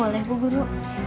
boleh bu guru